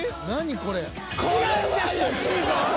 これ。